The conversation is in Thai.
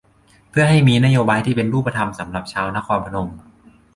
เพื่อให้มีนโยบายที่เป็นรูปธรรมสำหรับชาวนครพนม